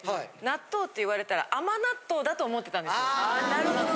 なるほど！